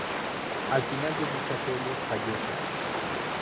Al final de dicha serie fallece.